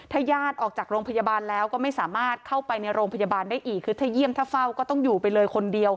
ถ้าญาติออกจากโรงพยาบาลแล้วก็ไม่สามารถเข้าไปในโรงพยาบาลได้อีกคือถ้าเยี่ยมถ้าเฝ้าก็ต้องอยู่ไปเลยคนเดียว